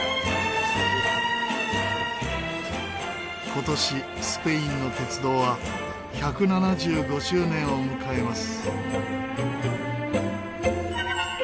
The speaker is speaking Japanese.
今年スペインの鉄道は１７５周年を迎えます。